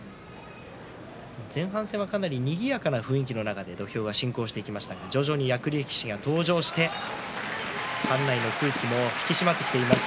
前半戦はかなりにぎやかな雰囲気の中で土俵が進行してきましたが徐々に役力士が登場して館内の空気も引き締まってきています。